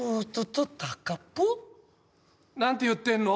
何て言ってんの？